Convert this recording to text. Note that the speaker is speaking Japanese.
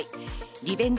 リベンジ